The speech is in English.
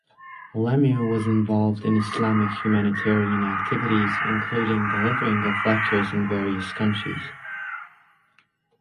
Lemu was involved in Islamic humanitarian activities including delivering of lectures in various countries.